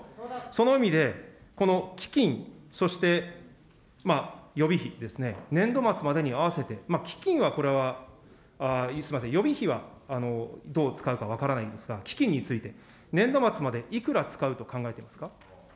その意味で、この基金、そして予備費ですね、年度末までに合わせて、基金は、これはすみません、予備費はどう使うか分からないんですが、基金について、年度末までいくら使うと考えていますか。